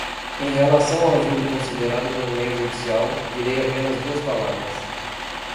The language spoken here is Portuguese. Em relação ao júri considerado como meio judicial, direi apenas duas palavras.